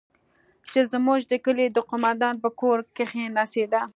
چې زموږ د کلي د قومندان په کور کښې نڅېده.